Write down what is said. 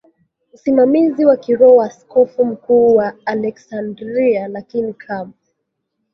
usimamizi wa kiroho wa Askofu mkuu wa Aleksandria Lakini kama